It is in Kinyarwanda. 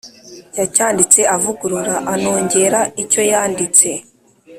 yacyanditse avugurura anongera ibyo yanditse